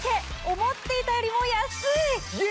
思っていたよりも安い！